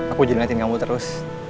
aku jadi dengerin kamu terus